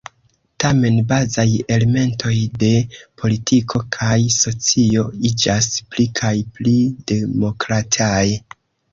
Tamen bazaj elementoj de politiko kaj socio iĝas pli kaj pli demokrataj.